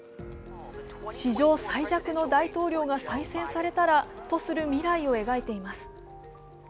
史上最弱の大統領が再選されたらとする未来を描いています。